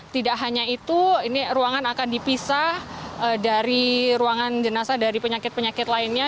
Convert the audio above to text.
tidak hanya itu ini ruangan akan dipisah dari ruangan jenazah dari penyakit penyakit lainnya